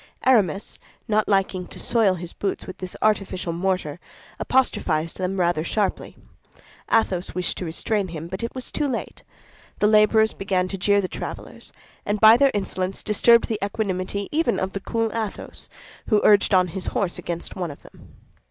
Aramis, not liking to soil his boots with this artificial mortar, apostrophized them rather sharply. Athos wished to restrain him, but it was too late. The laborers began to jeer the travelers and by their insolence disturbed the equanimity even of the cool Athos, who urged on his horse against one of them.